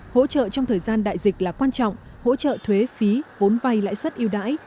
hỗ trợ trong thời gian đại dịch là quan trọng hỗ trợ thuế phí vốn vay lãi suất yêu đãi